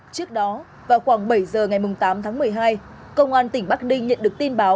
trước đó vào khoảng bảy giờ ngày tám tháng một mươi hai công an tỉnh bắc ninh nhận được tin báo